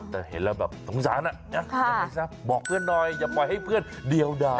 แต่เห็นแล้วแบบสงสารยังไม่ทราบบอกเพื่อนหน่อยอย่าปล่อยให้เพื่อนเดียวด่า